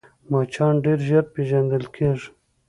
مچان ډېر ژر پېژندل کېږي